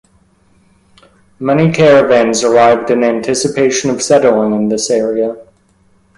Many caravans arrived in anticipation of settling in this area.